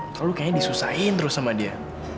kalo lu kayaknya disusahin terus sama dia